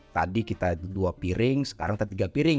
tadi kita dua piring sekarang tapi tiga piring